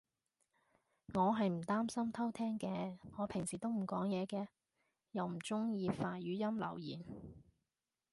我係唔擔心偷聼嘅，我平時都唔講嘢嘅。又唔中意發語音留言